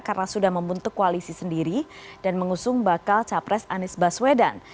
karena sudah membentuk koalisi sendiri dan mengusung bakal capres anies baswedan